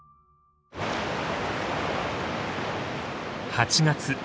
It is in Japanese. ８月。